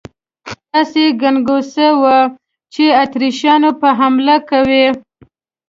داسې ګنګوسې وې چې اتریشیان به حمله کوي.